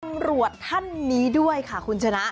ตำรวจท่านนี้ด้วยค่ะคุณชนะ